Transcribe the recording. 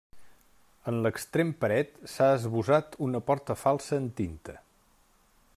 En l'extrem paret s'ha esbossat una porta falsa en tinta.